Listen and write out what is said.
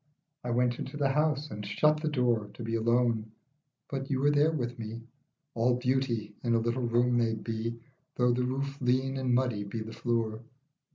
I went into the house, and shut the door To be alone, but you were there with me ; All beauty in a little room may be, Though the roof lean and muddy be the floor.